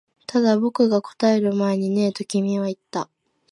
ただ、僕が答える前にねえと君は言った